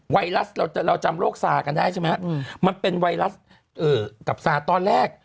ไวรัสเราจำโรคซากันได้ใช่ไหมมันเป็นไวรัสกับซาตอนแรก